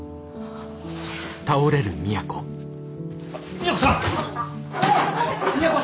都さん！